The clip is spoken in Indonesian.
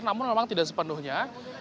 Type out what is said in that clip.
namun memang tidak sepenuhnya